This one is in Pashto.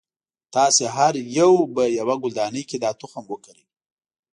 تاسې هر یو به یوه ګلدانۍ کې دا تخم وکری.